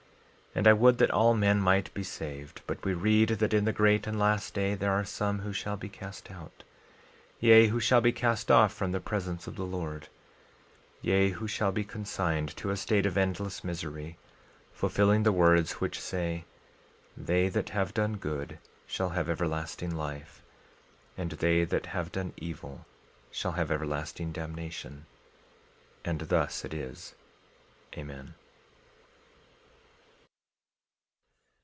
12:25 And I would that all men might be saved. But we read that in the great and last day there are some who shall be cast out, yea, who shall be cast off from the presence of the Lord; 12:26 Yea, who shall be consigned to a state of endless misery, fulfilling the words which say: They that have done good shall have everlasting life; and they that have done evil shall have everlasting damnation. And thus it is. Amen.